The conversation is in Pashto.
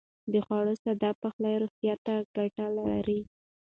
د خوړو ساده پخلی روغتيا ته ګټه لري.